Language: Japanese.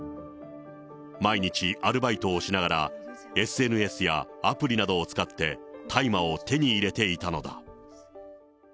毎日アルバイトをしながらＳＮＳやアプリなどを使って、大麻を手に入れていたのだ。